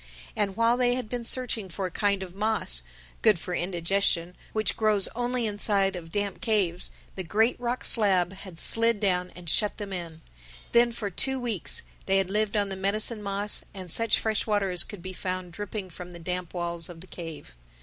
And while they had been searching for a kind of moss—good for indigestion—which grows only inside of damp caves, the great rock slab had slid down and shut them in. Then for two weeks they had lived on the medicine moss and such fresh water as could be found dripping from the damp walls of the cave.